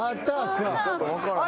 ちょっと分からへん。